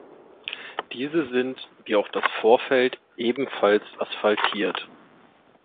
Diese sind wie auch das Vorfeld ebenfalls asphaltiert.